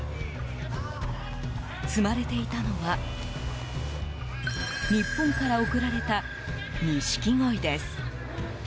積まれていたのは日本から送られたニシキゴイです。